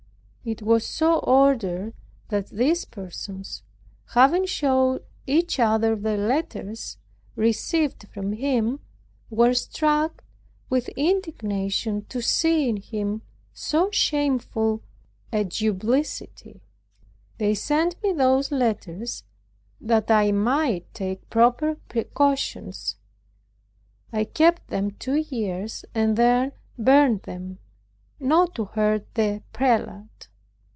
It was so ordered that these persons, having showed each other their letters received from him, were struck with indignation to see in him so shameful a duplicity. They sent me those letters that I might take proper precautions. I kept them two years, and then burned them, not to hurt the prelate.